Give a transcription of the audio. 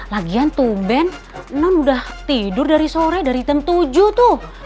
lagian tumben non udah tidur dari sore dari ten tujuh tuh